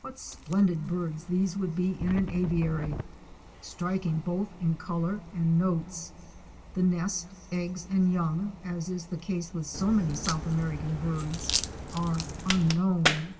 What splendid birds these would be in an aviary, striking both in color and notes. The nest, eggs and young, as is the case with so many South American birds, are unknown.